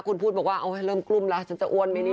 คุณพุธบอกว่าโอ้โหเริ่มกลุ้มละฉันจะอ้วนมั้ยเนี่ย